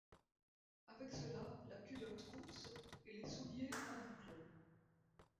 Avec cela la culotte course et les souliers à boucles.